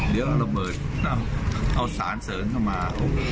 เดี๋ยวเอาระเบิดเอาสารเสริงเข้ามา